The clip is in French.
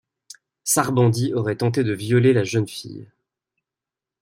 Sarbandi aurait tenté de violer la jeune fille.